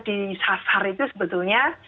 disasar itu sebetulnya